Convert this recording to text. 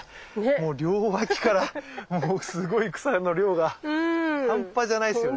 もう両脇からもうすごい草の量が半端じゃないっすよね。